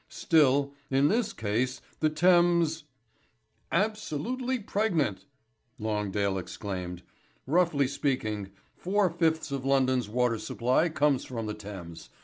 Still, in this case, the Thames " "Absolutely pregnant," Longdale exclaimed. "Roughly speaking, four fifths of London's water supply comes from the Thames.